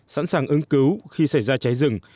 sẵn sàng ứng cứu khi xảy ra cháy rừng